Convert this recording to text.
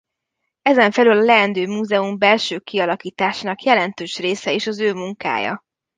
Ezen felül a leendő múzeum belső kialakításának jelentős része is az ő munkája.